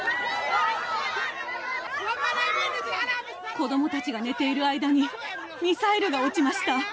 子どもたちが寝ている間にミサイルが落ちました。